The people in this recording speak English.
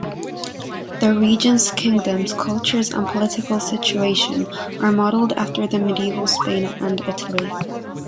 The region's kingdoms, cultures and political situation are modelled after medieval Spain and Italy.